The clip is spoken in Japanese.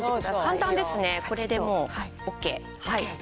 簡単ですね、これでＯＫ。